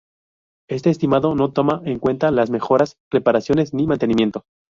Este estimado no toma en cuenta las mejoras, reparaciones ni mantenimiento.